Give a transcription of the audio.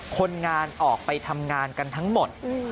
คนงานออกไปทำงานกันทั้งหมด